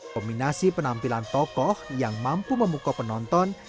kombinasi penampilan tokoh yang mampu memukau penonton